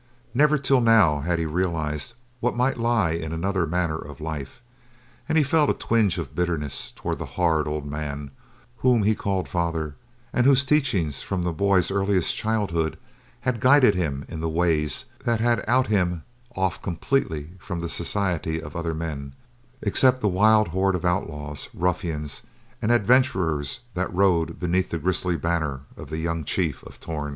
Never till now had he realized what might lie in another manner of life, and he felt a twinge of bitterness toward the hard, old man whom he called father, and whose teachings from the boy's earliest childhood had guided him in the ways that had cut him off completely from the society of other men, except the wild horde of outlaws, ruffians and adventurers that rode beneath the grisly banner of the young chief of Torn.